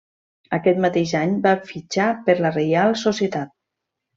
Aquest mateix any va fitxar per la Reial Societat.